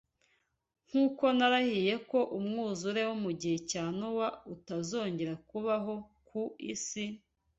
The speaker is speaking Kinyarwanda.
Nk’uko narahiye ko umwuzure wo mu gihe cya Nowa utazongera kubaho ku isi,